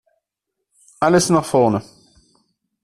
Alles nach vorne!